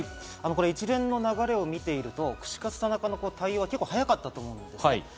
一連の流れを見ていると、串カツ田中の対応は結構早かったと思うんですね。